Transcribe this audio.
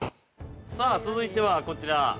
◆続いてはこちら。